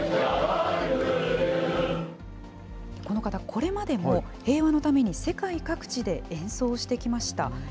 この方、これまでも平和のために世界各地で演奏してきました。